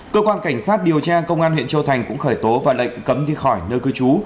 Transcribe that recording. cơ quan cảnh sát điều tra công an huyện châu thành cũng khởi tố và lệnh cấm đi khỏi nơi cư trú